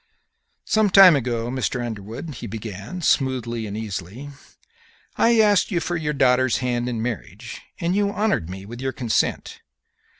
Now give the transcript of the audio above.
"Some time ago, Mr. Underwood," he began, smoothly and easily, "I asked you for your daughter's hand in marriage, and you honored me with your consent.